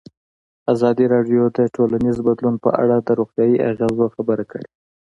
ازادي راډیو د ټولنیز بدلون په اړه د روغتیایي اغېزو خبره کړې.